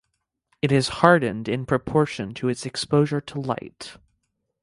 It hardened in proportion to its exposure to light.